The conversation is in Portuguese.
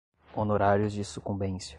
honorários de sucumbência